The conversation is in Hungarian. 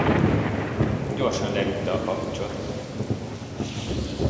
Gyorsan lerúgta a papucsot.